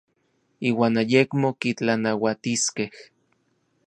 Iuan ayekmo kitlanauatiskej.